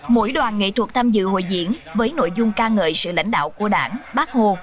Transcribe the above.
mỗi đoàn nghệ thuật tham dự hội diễn với nội dung ca ngợi sự lãnh đạo của đảng bác hồ